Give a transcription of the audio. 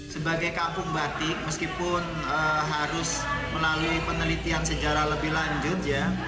sebagai kampung batik meskipun harus melalui penelitian sejarah lebih lanjut ya